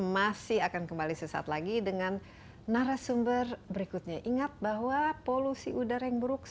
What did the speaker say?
masih akan kembali sesaat lagi dengan narasumber berikutnya ingat bahwa polusi udara yang buruk